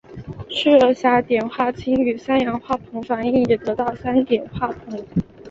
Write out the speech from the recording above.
赤热下碘化氢与三氯化硼反应也得到三碘化硼。